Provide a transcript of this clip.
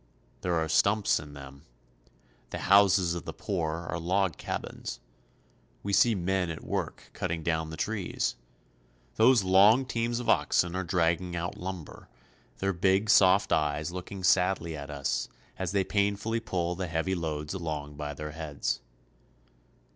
There are stumps in them. The houses of the poor are log cabins. We see men at work cutting down the trees. Those long teams of oxen are dragging out lumber, their big, soft eyes looking sadly at us as they painfully pull the heavy loads along by their heads.